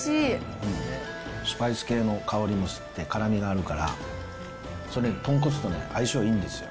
スパイス系の香りもして辛みもあるから、それ、豚骨と相性いいんですよ。